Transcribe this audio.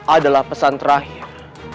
adalah pesan terakhir